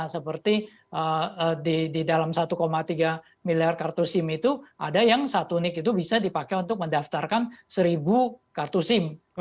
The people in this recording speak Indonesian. seperti di dalam satu tiga miliar kartu sim itu ada yang satu nick itu bisa dipakai untuk mendaftarkan seribu kartu sim